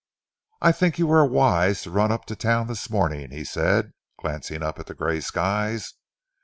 "I think you are wise to run up to town this morning," he said, glancing up at the grey skies.